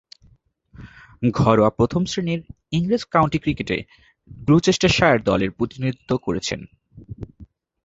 ঘরোয়া প্রথম-শ্রেণীর ইংরেজ কাউন্টি ক্রিকেটে গ্লুচেস্টারশায়ার দলের প্রতিনিধিত্ব করেছেন।